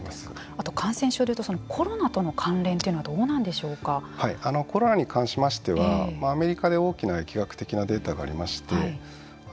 あと感染症でいうとコロナとの関連というのはコロナに関しましてはアメリカで大きな疫学的なデータがありまして。